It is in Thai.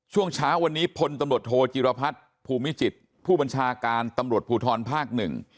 ช่วงเช้าวันนี้พลตำรวจโทจิรพัฒน์ภูมิจิตผู้บัญชาการตำรวจภูทรภาคหนึ่ง